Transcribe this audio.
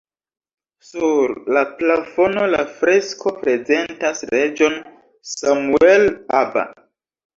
Sur la plafono la fresko prezentas reĝon Samuel Aba.